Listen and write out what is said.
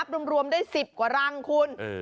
นับรวมได้สิบกว่ารังคุณ